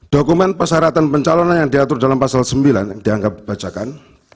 dokumen persyaratan pencalonan yang diatur dalam pasal sembilan yang dianggap dibacakan